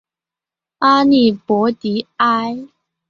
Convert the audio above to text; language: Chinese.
阿利博迪埃。